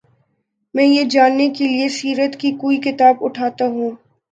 میں یہ جاننے کے لیے سیرت کی کوئی کتاب اٹھاتا ہوں۔